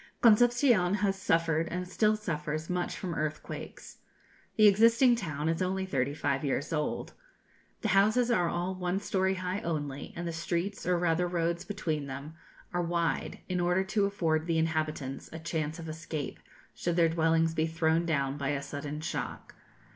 Concepcion has suffered, and still suffers, much from earthquakes. The existing town is only thirty five years old. The houses are all one story high only, and the streets, or rather roads, between them are wide, in order to afford the inhabitants a chance of escape, should their dwellings be thrown down by a sudden shock.